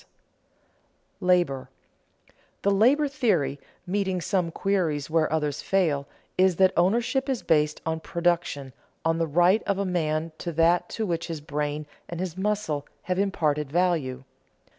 [Sidenote: Labor] The labor theory, meeting some queries where others fail, is that ownership is based on production, on the right of a man to that to which his brain and his muscle have imparted value.